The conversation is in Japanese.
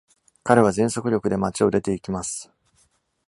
彼は全速力で、町を出て行きます。